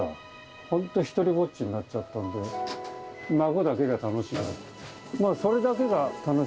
本当独りぼっちになっちゃったんで、孫だけが楽しみ。